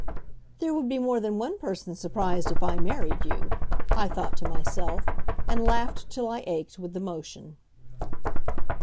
"There would be more than one person surprised if I married you," I thought to myself, and laughed till I ached with the motion.